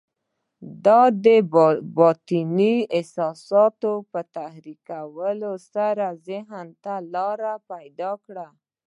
دا د باطني احساساتو په تحريکولو سره ذهن ته لاره پيدا کوي.